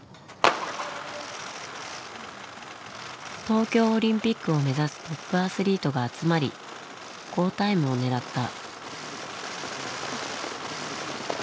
東京オリンピックを目指すトップアスリートが集まり好タイムを狙った。